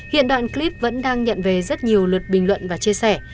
hiện đoạn clip vẫn đang nhận về rất nhiều lượt bình luận và chia sẻ